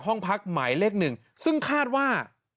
ห้องพักหมายเลขหนึ่งซึ่งคาดว่า